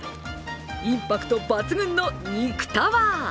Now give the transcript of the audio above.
インパクト抜群の肉タワー。